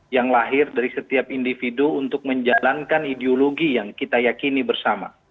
yang lahir dari setiap individu untuk menjalankan ideologi yang kita yakini bersama